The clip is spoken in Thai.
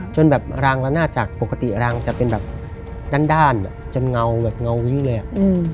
จนแบบรางร้านหน้าจากปกติรางจะเป็นแบบด้านด้านจนเงาแบบเงาอยู่เลยอ่ะอืม